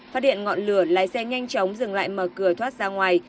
phát hiện ngọn lửa lái xe nhanh chóng dừng lại mở cửa thoát ra ngoài